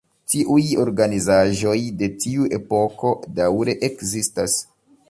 Tiuj organizaĵoj de tiu epoko daŭre ekzistas.